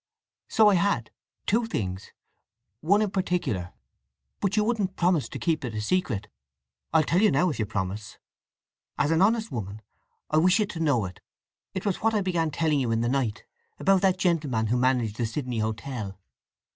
"So I had—two things—one in particular. But you wouldn't promise to keep it a secret. I'll tell you now if you promise? As an honest woman I wish you to know it… It was what I began telling you in the night—about that gentleman who managed the Sydney hotel."